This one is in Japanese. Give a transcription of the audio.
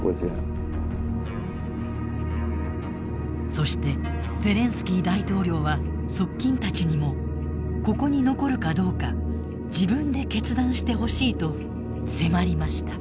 そしてゼレンスキー大統領は側近たちにも「ここに残るかどうか自分で決断してほしい」と迫りました。